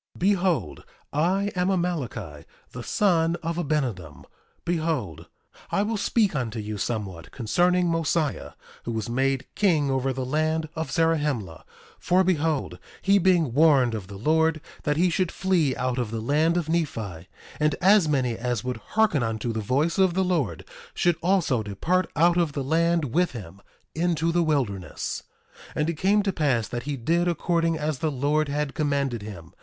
1:12 Behold, I am Amaleki, the son of Abinadom. Behold, I will speak unto you somewhat concerning Mosiah, who was made king over the land of Zarahemla; for behold, he being warned of the Lord that he should flee out of the land of Nephi, and as many as would hearken unto the voice of the Lord should also depart out of the land with him, into the wilderness— 1:13 And it came to pass that he did according as the Lord had commanded him.